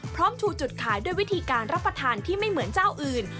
ชูจุดขายด้วยวิธีการรับประทานที่ไม่เหมือนเจ้าอื่น